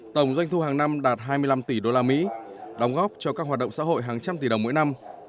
tổng doanh thu hàng năm đạt hai mươi năm tỷ usd đóng góp cho các hoạt động xã hội hàng trăm tỷ đồng mỗi năm